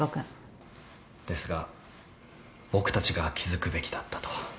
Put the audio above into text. ですが僕たちが気付くべきだったと。